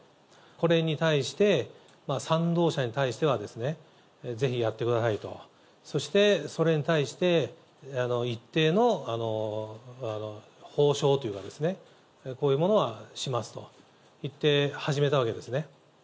これに対して、賛同者に対しては、ぜひやってくださいと、そして、それに対して一定の報奨というか、こういうものはしますといって始めたわけですね。